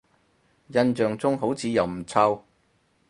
印象中好似又唔臭